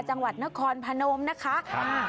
จังหวัดนครพนมนะคะ